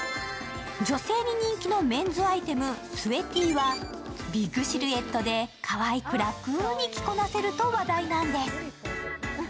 女性に人気のメンズアイテムスウェＴはビッグシルエットでかわいく楽に着こなせると話題なんです。